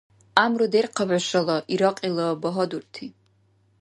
ГӀямру дерхъаб хӀушала, Иракьила багьадурти!